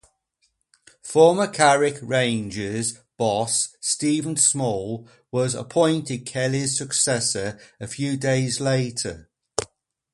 Former Carrick Rangers boss Stephen Small was appointed Kelly's successor a few days later.